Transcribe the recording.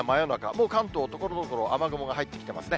もう関東、ところどころ、雨雲が入ってきてますね。